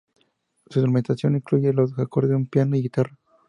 Su instrumentación incluye los acordes de un piano y guitarra.